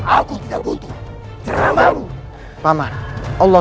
aku tidak butuh